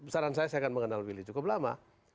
saran saya saya akan mengenal willy cukup lama